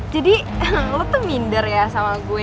emang lo tuh minder ya sama gue